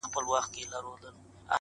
پر ښايستوكو سترگو”